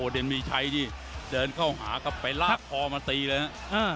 เด่นมีชัยนี่เดินเข้าหาครับไปลากคอมาตีเลยนะ